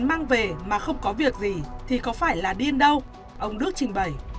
tiền mang về mà không có việc gì thì có phải là điên đâu ông đước trình bày